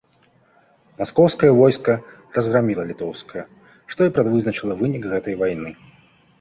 Маскоўскае войска разграміла літоўскае, што і прадвызначыла вынік гэтай вайны.